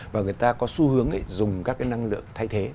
và người ta có xu hướng ấy dùng các cái năng lượng thay thế